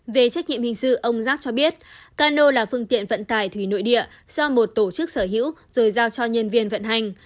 về trách nhiệm hình sự ông giáp cho biết cano là phương tiện vận tải thủy nội địa do một tổ chức sở hữu rồi giao cho nhân viên vận hành